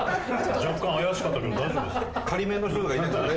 若干怪しかったけど大丈夫ですよね？